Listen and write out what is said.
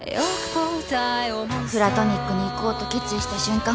プラトニックにいこうと決意した瞬間